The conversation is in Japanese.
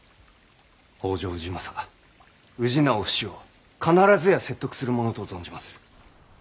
北条氏政氏直父子を必ずや説得するものと存じまする。